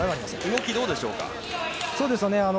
動きどうでしょうか。